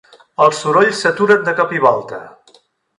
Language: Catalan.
Els sorolls s'aturen de cop i volta.